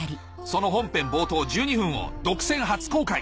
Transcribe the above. その本編冒頭１２分を独占初公開！